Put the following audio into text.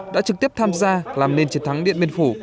đã trực tiếp tham gia làm nên chiến thắng điện biên phủ